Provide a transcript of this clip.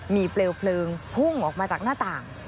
มีเปลวเพลิงพุ่งออกมาจากหน้าต่าง